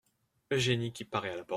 Eugénie qui paraît à la porte.